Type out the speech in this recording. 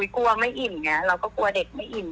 กลัวไม่อิ่มไงเราก็กลัวเด็กไม่อิ่ม